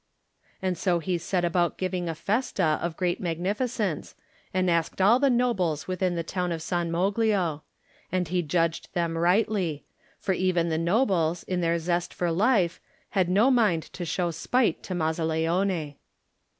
And so he set about giving a festa of great magnificence, and asked all the nobles within the town of San Moglio; and he 19 Digitized by Google THE NINTH MAN judged them rightly, for even the nobles, in their zest for life, had no mind to show spite to Mazzaleone.